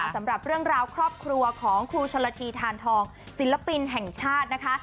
สำหรับเรื่องราวครอบครัวของครูชนละทีทานทองศิลปินแห่งชาตินะคะ